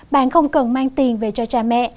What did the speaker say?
bạn không cần mang tiền về cho cha mẹ